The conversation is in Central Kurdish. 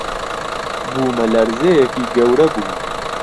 بوومەلەرزەیێکی گەورە بوو